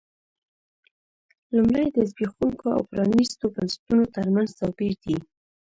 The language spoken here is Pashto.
لومړی د زبېښونکو او پرانیستو بنسټونو ترمنځ توپیر دی.